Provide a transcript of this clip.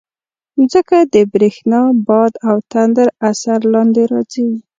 مځکه د برېښنا، باد او تندر اثر لاندې راځي.